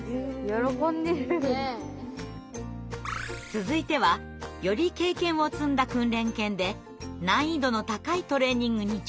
続いてはより経験を積んだ訓練犬で難易度の高いトレーニングに挑戦。